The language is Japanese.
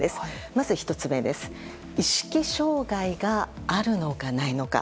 まず１つ目、意識障害があるのかないのか。